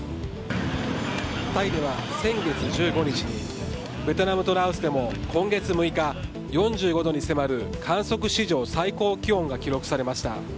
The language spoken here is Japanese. タイでは先月１５日にベトナムとラオスでも今月６日４５度に迫る観測史上最高気温が記録されました。